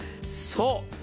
そう！